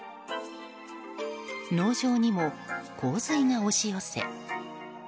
農場にも洪水が押し寄せ。